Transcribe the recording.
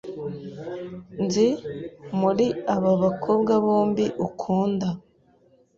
Nzi muri aba bakobwa bombi ukunda.